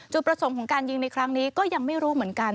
ประสงค์ของการยิงในครั้งนี้ก็ยังไม่รู้เหมือนกัน